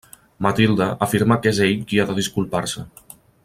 Matilde afirma que és ell qui ha de disculpar-se.